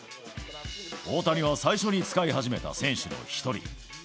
大谷は最初に使い始めた選手の一人。